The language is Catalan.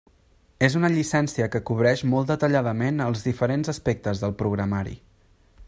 És una llicència que cobreix molt detalladament els diferents aspectes del programari.